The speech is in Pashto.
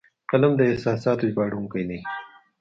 قلم د احساساتو ژباړونکی دی